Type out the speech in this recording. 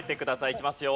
いきますよ。